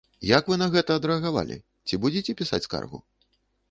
Як вы на гэта адрэагавалі, ці будзеце пісаць скаргу?